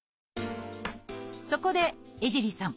そこで江尻さん